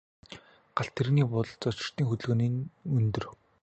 Галт тэрэгний буудалд зорчигчдын хөдөлгөөн нэн өнөр.